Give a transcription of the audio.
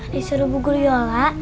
disuruh bu guruyola